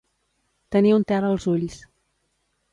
Tenir un tel als ulls.